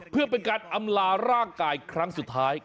เพื่อเป็นการอำลาร่างกายครั้งสุดท้าย